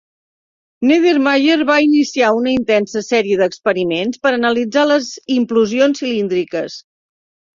Neddermeyer va iniciar una intensa sèrie d'experiments per analitzar les implosions cilíndriques.